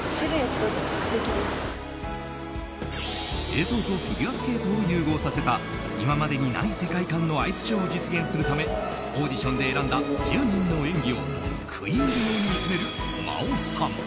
映像とフィギュアスケートを融合させた今までにない世界観のアイスショーを実現するためオーディションで選んだ１０人の演技を食い入るように見つめた真央さん。